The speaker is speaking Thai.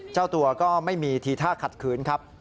เจ้าตัวก็ไม่มีทีท่าขัดขืนครับ